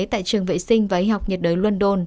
tại trường vệ sinh và y học nhiệt đới london